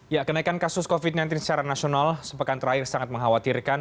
ya kenaikan kasus covid sembilan belas secara nasional sepekan terakhir sangat mengkhawatirkan